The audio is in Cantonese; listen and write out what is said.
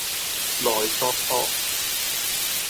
萊索托